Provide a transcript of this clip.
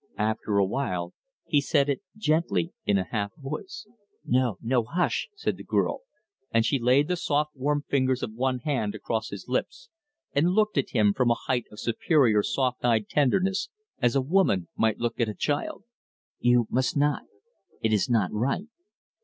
After a while he said it gently in a half voice. "No, no, hush!" said the girl, and she laid the soft, warm fingers of one hand across his lips, and looked at him from a height of superior soft eyed tenderness as a woman might look at a child. "You must not. It is not right."